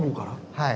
はい。